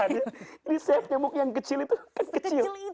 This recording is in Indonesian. ini sayap nyamuk yang kecil itu bukan kecil